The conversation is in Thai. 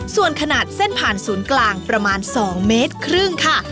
ส่วนขนาดเส้นผ่านศูนย์กลางประมาณ๒เมตรครึ่งค่ะ